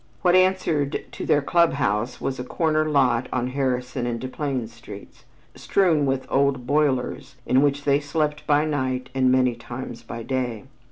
What answered to their club house was a corner lot on Harrison and Desplaines Streets, strewn with old boilers, in which they slept by night and many times by day.